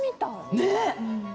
ねっ！